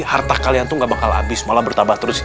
harta kalian tuh gak bakal habis malah bertambah terus